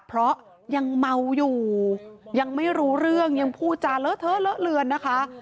เพราะยังเมาอยู่ยังไม่รู้เรื่องยังพูดจาเลอะเทอะเลอะเลือนนะคะ